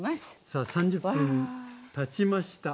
さあ３０分たちました。